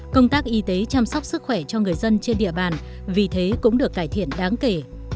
công tác y tế chăm sóc sức khỏe cho người dân trên địa bàn vì thế cũng được cải thiện đáng kể